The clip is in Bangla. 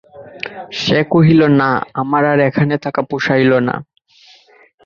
সে কহিল, না, আমার আর এখানে থাকা পোষাইল না।